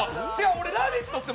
俺「ラヴィット！」って